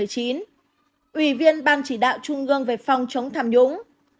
ủy viên ban chỉ đạo trung ương về phòng chống tham nhũng